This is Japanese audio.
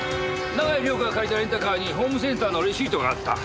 永井涼子が借りたレンタカーにホームセンターのレシートがあった。